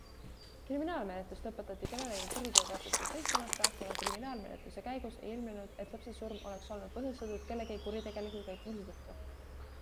Kriminaalmenetlus lõpetati kellelegi kuriteokahtlustust esitamata, kuna kriminaalmenetluse käigus ei ilmnenud, et lapse surm oleks olnud põhjustatud kellegi kuritegeliku käitumise tõttu.